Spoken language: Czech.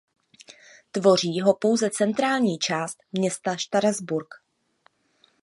Tvoří ho pouze centrální část města Štrasburk.